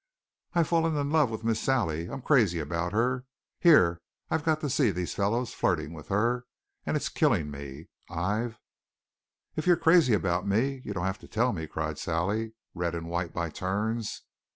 "I've fallen in love with Miss Sally. I'm crazy about her. Here I've got to see these fellows flirting with her. And it's killing me. I've " "If you are crazy about me, you don't have to tell!" cried Sally, red and white by turns.